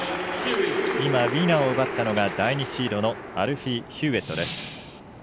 ウィナーを奪ったのが第２シードのアルフィー・ヒューウェットです。